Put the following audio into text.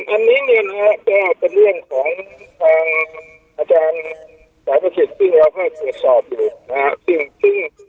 อันนี้เนี่ยนะฮะก็เป็นเรื่องของทางอาจารย์สายประสิทธิ์ซึ่งเราก็ตรวจสอบอยู่นะครับ